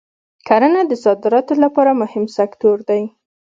کرنه د صادراتو لپاره مهم سکتور دی.